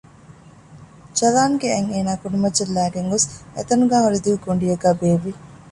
ޖަލާން ގެ އަތް އޭނަ ކޮނޑުމައްޗަށް ލައިގެން ގޮސް އެތަނުގައި ހުރި ދިގު ގޮޑިއެއްގައި ބޭއްވި